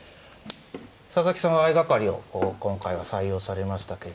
佐々木さんは相掛かりを今回は採用されましたけど。